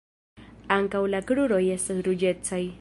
Ankaŭ la kruroj estas ruĝecaj.